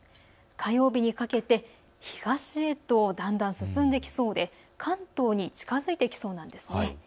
火曜日にかけて東へとだんだん進んでいきそうで関東に近づいてきそうです。